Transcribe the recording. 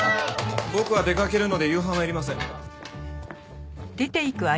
僕は出かけるので夕飯はいりません。